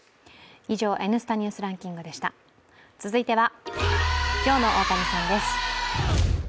続いては、今日の大谷さんです。